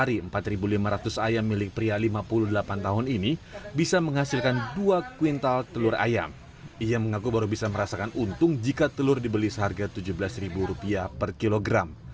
ia mengaku baru bisa merasakan untung jika telur dibeli seharga rp tujuh belas per kilogram